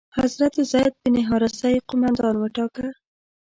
حضرت زید بن حارثه یې قومندان وټاکه.